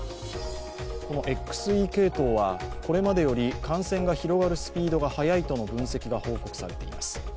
このＸＥ系統は、これまでより感染が広がるスピードが速いとの分析が報告されています。